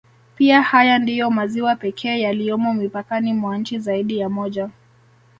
Pia haya ndiyo maziwa pekee yaliyopo mipakani mwa nchi zaidi ya moja